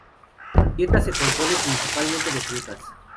Su dieta se compone principalmente de frutas.